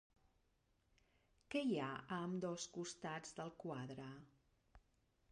Què hi ha a ambdós costats del quadre?